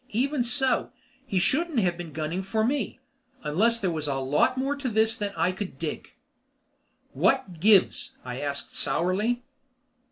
Even so, he shouldn't have been gunning for me, unless there was a lot more to this than I could dig. "What gives?" I asked sourly.